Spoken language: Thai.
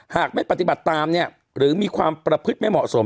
หากไม่ปฏิบัติตามเนี่ยหรือมีความประพฤติไม่เหมาะสม